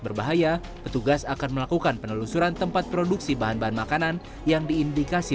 berbahaya petugas akan melakukan penelusuran tempat produksi bahan bahan makanan yang diindikasi